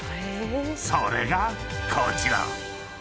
［それがこちら］